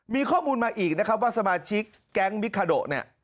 มีข้อมูลมาอีกนะครับว่าสมาชิกแก๊งมิคาโดเนี่ย